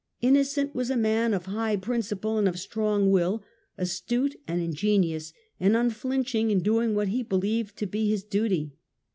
Innocent was a man of high principle and of strong will, astute and in genious, and unflinching in doing what he believed to be his duty.